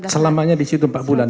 selamanya disitu empat bulan